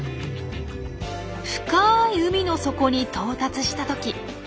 深い海の底に到達した時なんと